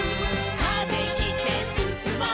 「風切ってすすもう」